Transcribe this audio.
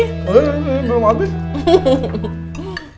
eh belum habis